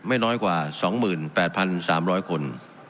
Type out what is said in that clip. ไม่น้อยกว่า๒๘๓๐๐คน